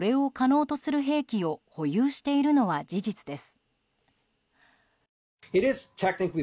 それを可能とする兵器を保有しているのは事実です。